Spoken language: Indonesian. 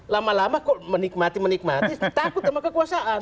lama lama kok menikmati menikmati takut sama kekuasaan